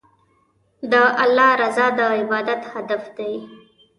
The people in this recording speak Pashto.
د الله رضا د عبادت هدف دی.